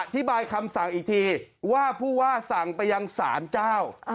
อธิบายคำสั่งอีกทีว่าผู้ว่าสั่งไปยังสารเจ้าอ่า